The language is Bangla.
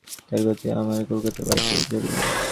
তার গৃহদীপ আমার কলকাতার বাড়িতেই জ্বলল।